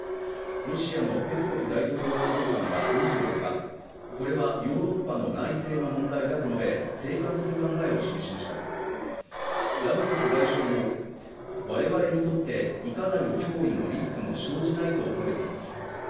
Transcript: ロシアのペスコフ大統領報道官は２４日これはヨーロッパの内政の問題だと述べ静観する考えを示しましたラブロフ外相も我々にとっていかなる脅威もリスクも生じないと述べています